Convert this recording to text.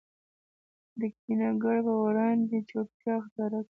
د کینه ګر په وړاندي چوپتیا اختیارکړئ!